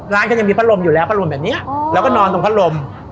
ร้านก็จะมีพัดลมอยู่แล้วพัดลมแบบนี้แล้วก็นอนตรงพัดลม